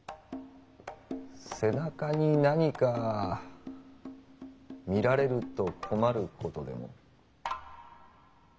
「背中」に何か見られると困ることでも？